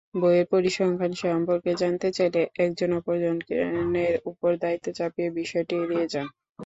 বইয়ের পরিসংখ্যান সম্পর্কে জানতে চাইলে একজন অপরজনের ওপর দায়িত্ব চাপিয়ে বিষয়টি এড়িয়ে যান।